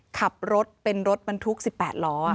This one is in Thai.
ขับรถเป็นรถบรรทุก๑๘ล้อ